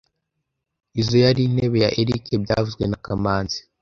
Izoi yari intebe ya Eric byavuzwe na kamanzi